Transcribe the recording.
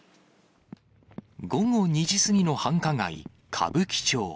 午後２時過ぎの繁華街、歌舞伎町。